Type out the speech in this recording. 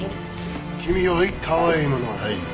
君よりかわいいものはないよ。